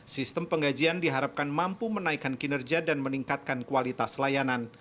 sistem penggajian diharapkan mampu menaikkan kinerja dan meningkatkan kualitas layanan